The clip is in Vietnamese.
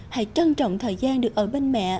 hãy trân trọng thời gian được ở bên mẹ